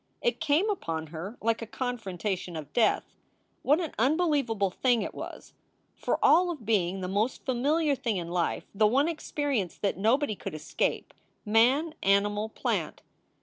It came upon her like a confrontation of death. What an unbelievable thing it was! for all of being the most familiar thing in life, the one experience that nobody could escape, man, animal, plant.